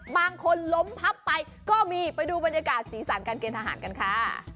บางคนล้มพับไปก็มีไปดูบรรยากาศสีสันการเกณฑหารกันค่ะ